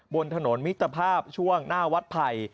บนถนนมิตรภาพช่วงหน้าวัดไผ่